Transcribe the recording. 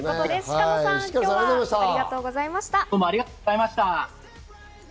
鹿野さん、ありがとうございました。